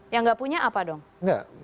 yang gak punya apa dong